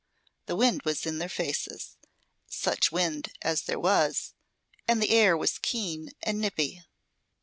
The wind was in their faces, such wind as there was, and the air was keen and nippy.